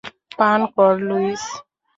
পান কর, লুইস!